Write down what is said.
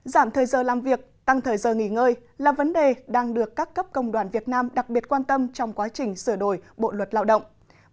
giảm thời giờ làm việc tăng thời giờ nghỉ ngơi là vấn đề đang được các cấp công đoàn việt nam đặc biệt quan tâm trong quá trình sửa đổi bộ luật lao động